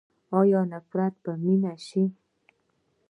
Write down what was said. آیا نفرت به مینه شي؟